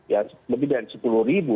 ya lebih dari sepuluh ribu